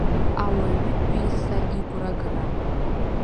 Ауаҩытәыҩса игәрагара.